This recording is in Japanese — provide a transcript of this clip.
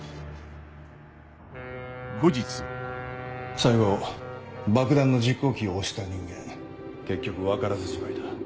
最後爆弾の実行キーを押した人間結局分からずじまいだ。